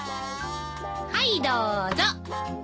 はいどうぞ。